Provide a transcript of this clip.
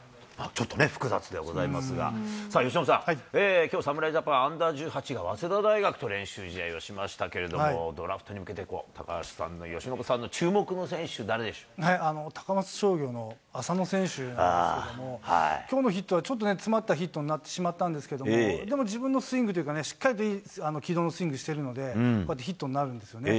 ちょっとね、複雑でございますが、さあ、由伸さん、きょう、侍ジャパンアンダー１８が早稲田大学と練習試合をしましたけれども、ドラフトに向けて、高橋さんの、由伸さんの注目の選手、誰でしょ高松商業の浅野選手なんですけれども、きょうのヒットはちょっとね、詰まったヒットになってしまったんですけど、でも自分のスイングというかね、しっかりとした軌道のスイングをしてるので、こうやってヒットになるんですよね。